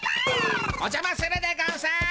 おじゃまするでゴンス。